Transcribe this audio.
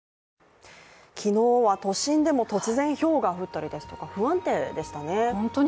昨日は都心でも突然ひょうが降ったりですとか不安定でしたね。